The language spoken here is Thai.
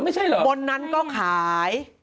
มีบนนั้นก็ขาย